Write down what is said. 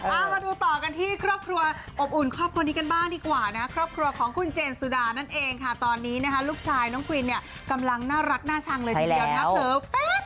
เอามาดูต่อกันที่ครอบครัวอบอุ่นครอบครัวนี้กันบ้างดีกว่านะครอบครัวของคุณเจนสุดานั่นเองค่ะตอนนี้นะคะลูกชายน้องควินเนี่ยกำลังน่ารักน่าชังเลยทีเดียวนะคะเผลอแป๊บ